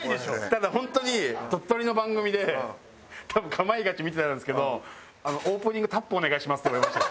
ただ本当に鳥取の番組で多分『かまいガチ』見てたんですけど「オープニングタップお願いします」って言われました。